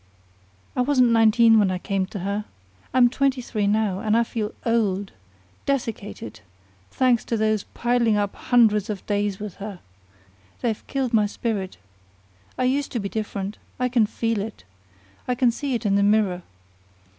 "I wasn't nineteen when I came to her. I'm twenty three now, and I feel old desiccated, thanks to those piling up hundreds of days with her. They've killed my spirit. I used to be different. I can feel it. I can see it in the mirror.